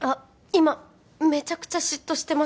今めちゃくちゃ嫉妬してます